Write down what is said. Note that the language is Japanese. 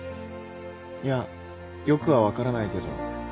いやよくは分からないけど。